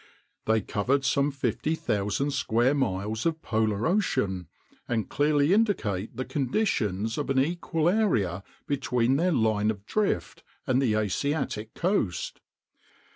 "They covered some 50,000 square miles of polar ocean, and clearly indicate the conditions of an equal area between their line of drift and the Asiatic coast."